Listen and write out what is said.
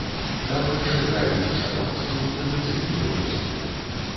Таварышы граюць шатландскую традыцыйную музыку.